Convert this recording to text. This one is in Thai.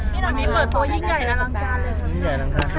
ที่นั่นมีเมิดโตยิ่งใหญ่ละครับ